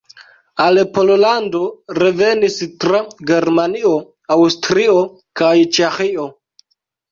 Al Pollando revenis tra Germanio, Aŭstrio kaj Ĉeĥio.